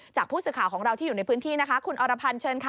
จากผู้สื่อข่าวของเราที่อยู่ในพื้นที่นะคะคุณอรพันธ์เชิญค่ะ